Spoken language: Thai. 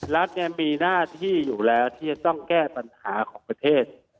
รัฐมีหน้าที่อยู่แล้วที่จะต้องแก้ปัญหาของประเทศ